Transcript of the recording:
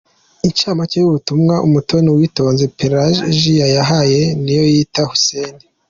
Inshamake y’ubutumwa Umutoni Uwitonze Pelajiya yahaye Niyoyita Hussein.